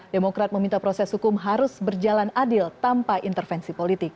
demokrat meminta proses hukum harus berjalan adil tanpa intervensi politik